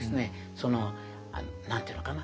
その何て言うのかな